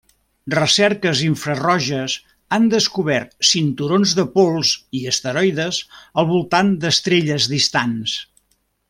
Recerques infraroges han descobert cinturons de pols i asteroides al voltant d'estrelles distants.